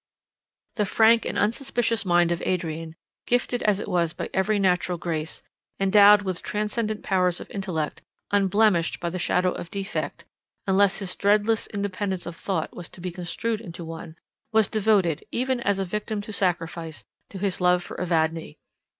The frank and unsuspicious mind of Adrian, gifted as it was by every natural grace, endowed with transcendant powers of intellect, unblemished by the shadow of defect (unless his dreadless independence of thought was to be construed into one), was devoted, even as a victim to sacrifice, to his love for Evadne.